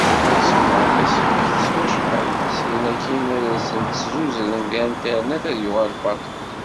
Ad d-ssuffɣeḍ tasfift s wacḥal, syin akin ad asen-tt-suzren deg internet, ad yuɣal baṭel.